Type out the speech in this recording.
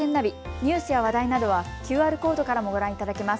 ニュースや話題などはＱＲコードからもご覧いただけます。